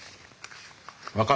分かる？